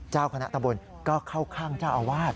เจ้าคณะตะบนก็เข้าข้างเจ้าอาวาส